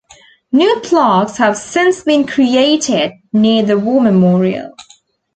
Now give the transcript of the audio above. New plaques have since been created near the war memorial.